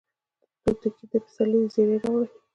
توتکۍ د پسرلي زیری راوړي